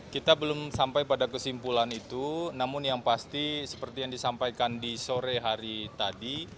kita belum sampai pada kesimpulan itu namun yang pasti seperti yang disampaikan di sore hari tadi